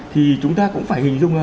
thì chúng ta cũng phải hình dung là